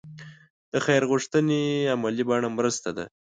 د خیر غوښتنې عملي بڼه مرسته ده.